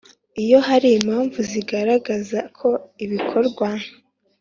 Iyo hari impamvu zigaragaza ko ibikorwa